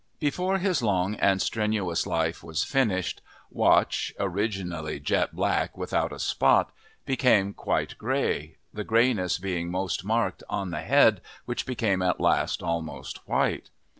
Before his long and strenuous life was finished. Watch, originally jet black without a spot, became quite grey, the greyness being most marked on the head, which became at last almost white.